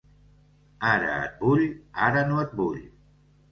Ara et vull, ara no et vull.